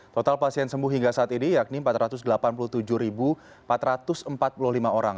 total pasien sembuh hingga saat ini yakni empat ratus delapan puluh tujuh empat ratus empat puluh lima orang